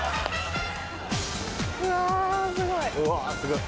うわすごい。